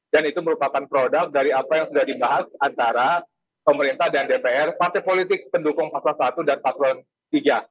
dan itu merupakan produk dari apa yang sudah dibahas antara pemerintah dan dpr partai politik pendukung pak todung i dan pak todung iii